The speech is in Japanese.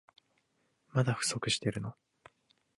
まだ不足してるの？